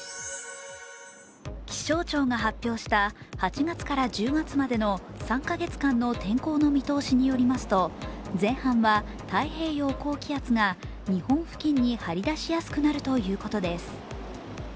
気象庁が発表した８月から１０月までの３カ月間の天候の見通しによりますと、前半は太平洋高気圧が日本付近に張り出しやすくなるということです。